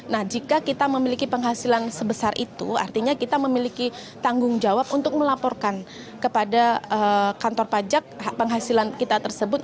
nah jika kita memiliki penghasilan sebesar itu artinya kita memiliki tanggung jawab untuk melaporkan kepada kantor pajak penghasilan kita tersebut